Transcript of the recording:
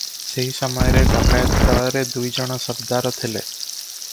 ସେହି ସମୟରେ ଡକାଏତ ଦଳରେ ଦୁଇଜଣ ସର୍ଦ୍ଦାର ଥିଲେ ।